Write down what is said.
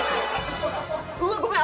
うわっごめん！